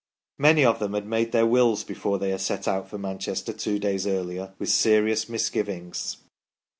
Many of them had made their wills before they had set out for Manchester two days earlier, with serious misgivings.